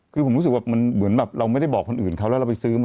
คือผมรู้สึกว่ามันเหมือนแบบเราไม่ได้บอกคนอื่นเขาแล้วเราไปซื้อมา